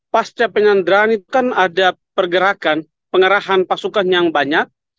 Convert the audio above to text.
pasca penyanderaan itu kan ada pergerakan pengarahan pasukan yang banyak